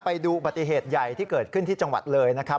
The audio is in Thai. ไปดูอุบัติเหตุใหญ่ที่เกิดขึ้นที่จังหวัดเลยนะครับ